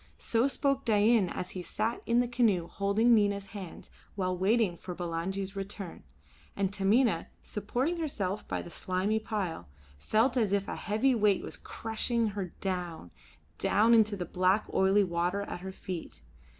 So spoke Dain as he sat in the canoe holding Nina's hands while waiting for Bulangi's return; and Taminah, supporting herself by the slimy pile, felt as if a heavy weight was crushing her down, down into the black oily water at her feet.